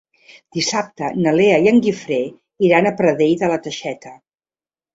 Dissabte na Lea i en Guifré iran a Pradell de la Teixeta.